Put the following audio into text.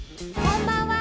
こんばんは。